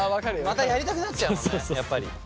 またやりたくなっちゃうもんね。